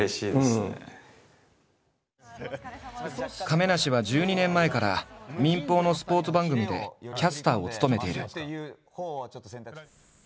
亀梨は１２年前から民放のスポーツ番組でキャスターを務めている。